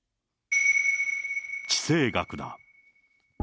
地政学だ。